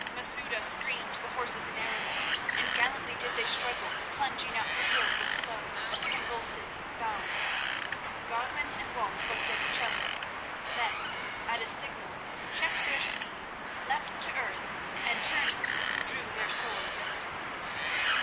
Masouda screamed to the horses in Arabic, and gallantly did they struggle, plunging up the hill with slow, convulsive bounds. Godwin and Wulf looked at each other, then, at a signal, checked their speed, leapt to earth, and, turning, drew their swords.